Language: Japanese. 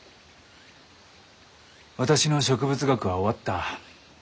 私の植物学は終わった。